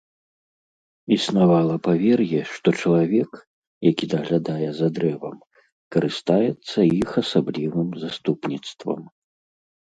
Існавала павер'е, што чалавек, які даглядае за дрэвам, карыстаецца іх асаблівым заступніцтвам.